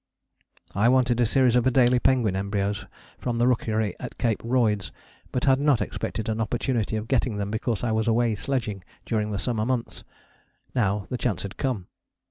I wanted a series of Adélie penguin embryos from the rookery at Cape Royds, but had not expected an opportunity of getting them because I was away sledging during the summer months. Now the chance had come.